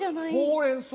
「ほうれん草？」